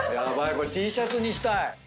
これＴシャツにしたい。